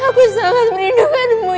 aku sangat merindukanmu